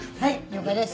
了解です。